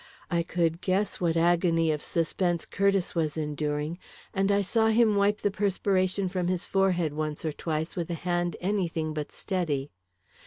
I could guess what agony of suspense Curtiss was enduring and I saw him wipe the perspiration from his forehead once or twice with a hand anything but steady.